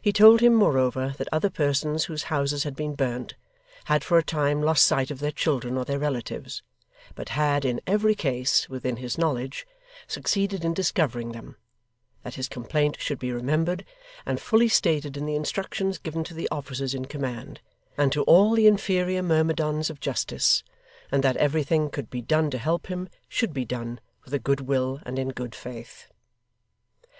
He told him, moreover, that other persons whose houses had been burnt, had for a time lost sight of their children or their relatives, but had, in every case, within his knowledge, succeeded in discovering them; that his complaint should be remembered, and fully stated in the instructions given to the officers in command, and to all the inferior myrmidons of justice; and that everything that could be done to help him, should be done, with a goodwill and in good faith.